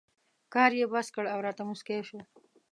کار یې بس کړ او راته مسکی شو.